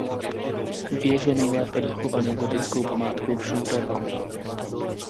Věž je nejlépe dochovanou gotickou památkou v Šumperku.